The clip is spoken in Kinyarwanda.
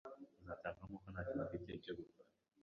Ntangazwa nuko ntacyo bafite cyo gukora.